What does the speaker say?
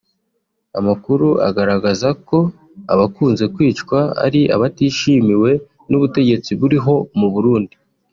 Amakuru agaragaza ko abakunze kwicwa ari abatishimiwe n’ubutegetsi buriho mu Burundi